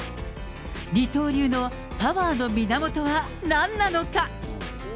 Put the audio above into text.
二刀流のパワーの源は、何なのか？